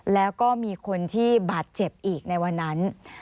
แล้วก็มีคนที่บาดเจ็บอีกในวันนั้น